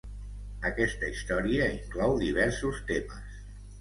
Aquesta història inclou diversos temes.